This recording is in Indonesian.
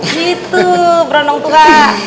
gitu brondong tua